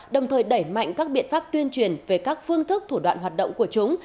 đồng thời đẩy mạnh các biện pháp tuyên truyền về các phương thức thủ đoạn hoạt động của chúng